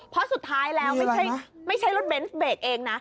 เพราะสุดท้ายแล้วไม่ใช่รถเบนส์เบรกเองนะ